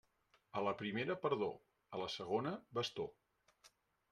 A la primera, perdó; a la segona, bastó.